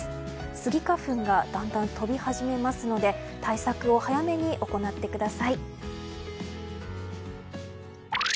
スギ花粉がだんだん飛び始めますので対策を早めに行ってください。